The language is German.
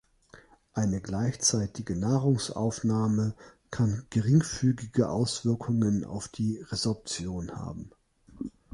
Eine gleichzeitige Nahrungsaufnahme kann geringfügige Auswirkungen auf die Resorption haben.